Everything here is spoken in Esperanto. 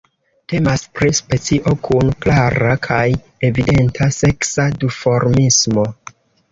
Temas pri specio kun klara kaj evidenta seksa duformismo.